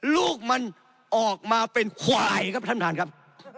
ลูกมันออกมาเป็นควายครับท่านประธานครับ